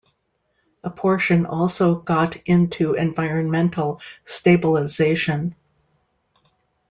A portion also got into environmental stabilisation.